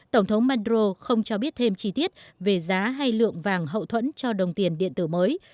tổng thống maduro không cho biết thêm chi tiết về giá hay lượng vàng hậu thuẫn cho đồng tiền điện tử mới